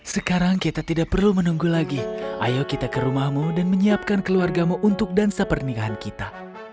sekarang kita tidak perlu menunggu lagi ayo kita ke rumahmu dan menyiapkan keluargamu untuk dansa pernikahan kita